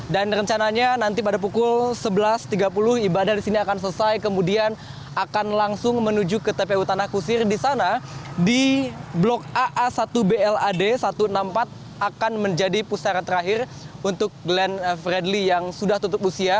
dan rencananya nanti pada pukul sebelas tiga puluh ibadah disini akan selesai kemudian akan langsung menuju ke tpu tanah kusir disana di blok aa satu blad satu ratus enam puluh empat akan menjadi pusara terakhir untuk glenn fredly yang sudah tutup usia